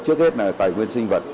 trước hết là tài nguyên sinh vật